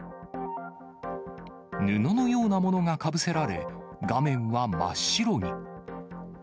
布のようなものがかぶせられ、画面は真っ白に。